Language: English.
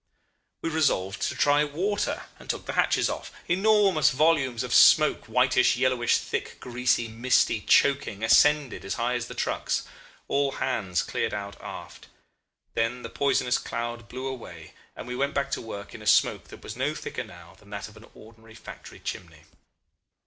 "We resolved to try water, and took the hatches off. Enormous volumes of smoke, whitish, yellowish, thick, greasy, misty, choking, ascended as high as the trucks. All hands cleared out aft. Then the poisonous cloud blew away, and we went back to work in a smoke that was no thicker now than that of an ordinary factory chimney.